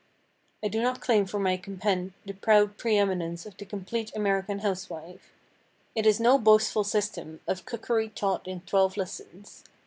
I do not claim for my compend the proud pre eminence of the "Complete American Housewife." It is no boastful system of "Cookery Taught in Twelve Lessons."